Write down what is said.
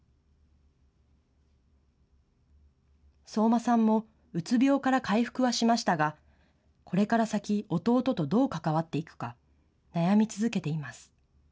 相馬さんも、うつ病から回復はしましたが、これから先、弟とどう関わっていくか悩み続けています。